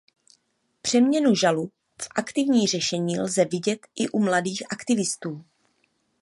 Přeměnu žalu v aktivní řešení lze vidět i u mladých aktivistů.